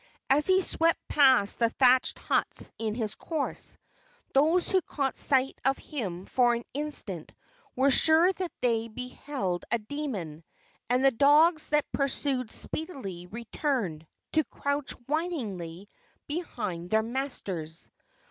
As he swept past the thatched huts in his course, those who caught sight of him for an instant were sure that they beheld a demon, and the dogs that pursued speedily returned, to crouch whiningly behind their masters.